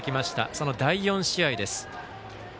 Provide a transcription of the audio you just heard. その第４試合です。